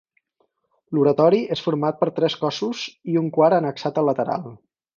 L'oratori és format per tres cossos i un quart annexat al lateral.